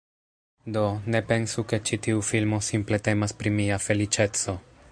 Do, ne pensu ke ĉi tiu filmo simple temas pri mia feliĉeco